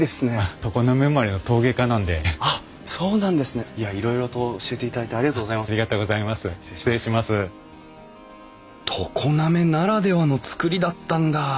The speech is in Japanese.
常滑ならではの造りだったんだ。